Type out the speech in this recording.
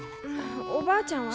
おばあちゃんは？